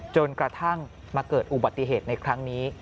จนกระทั่งมาเกิดอุบัติเหตุในครั้งนี้